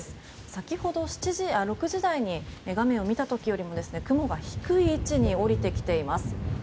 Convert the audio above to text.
先ほど６時台に画面を見た時よりも雲が低い位置に下りてきています。